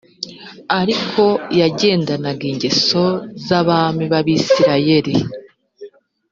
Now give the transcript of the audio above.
ariko yagendanaga ingeso z’abami b’abisirayeli